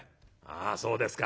「ああそうですか。